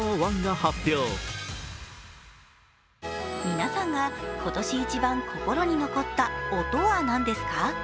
皆さんが今年一番心に残った音は何ですか？